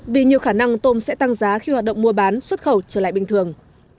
vì nhiều khả năng tôm sẽ tăng giá khi hoạt động mua bán xuất khẩu trở lại bình thường